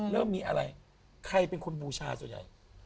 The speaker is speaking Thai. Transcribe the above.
เริ่มมีอะไรใครเป็นคนบูชาส่วนใหญ่